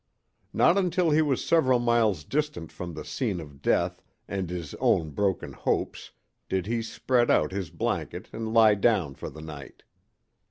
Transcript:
Not until he was several miles distant from the scene of death and his own broken hopes did he spread out his blanket and lie down for the night.